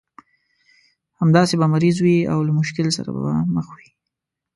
همداسې به مریض وي او له مشکل سره مخامخ وي.